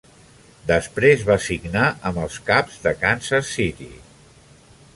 Després va signar amb els caps de Kansas City.